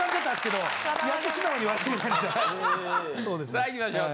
さあいきましょう。